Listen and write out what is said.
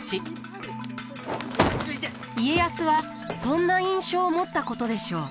家康はそんな印象を持ったことでしょう。